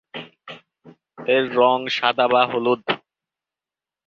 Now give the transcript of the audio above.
এর রঙ সাদা বা হলুদ।